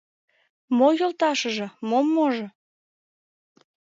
Мо йолташыже, мо можо?